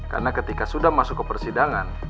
karena ketika sudah masuk ke persidangan